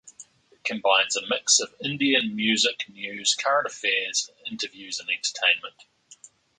It combines a mix of Indian music, news, current affairs, interviews and entertainment.